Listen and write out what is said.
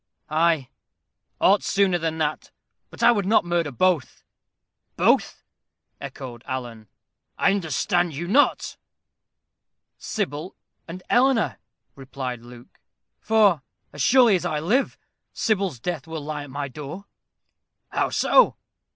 "Ay, aught sooner than that. But I would not murder both." "Both!" echoed Alan. "I understand you not." "Sybil and Eleanor," replied Luke; "for, as surely as I live, Sybil's death will lie at my door." "How so?"